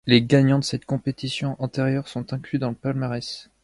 Les gagnants de cette compétition antérieure sont inclus dans le palmarès.